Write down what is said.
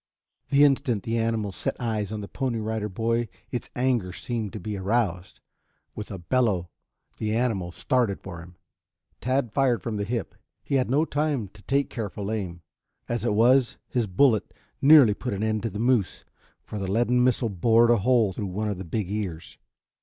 The instant the animal set eyes on the Pony Rider Boy its anger seemed to be aroused. With a bellow the animal started for him. Tad fired from the hip. He had no time to take careful aim. As it was, his bullet nearly put an end to the moose, for the leaden missile bored a hole through one of the big ears.